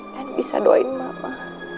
dan bisa doain mama